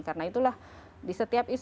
karena itulah di setiap